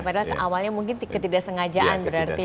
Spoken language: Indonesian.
padahal awalnya mungkin ketidaksengajaan berarti